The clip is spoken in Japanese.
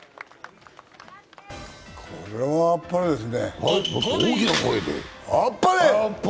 これはあっぱれですね。